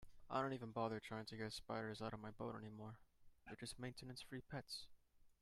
I don't even bother trying to get spiders out of my boat anymore, they're just maintenance-free pets.